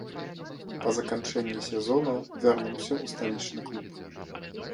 Па заканчэнні сезону вярнуўся ў сталічны клуб.